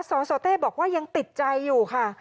สสเต้บอกว่ายังติดใจอยู่ค่ะ